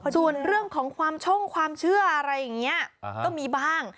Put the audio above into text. ส่วนเรื่องของความช่งความเชื่ออะไรอย่างนี้ก็มีบ้าง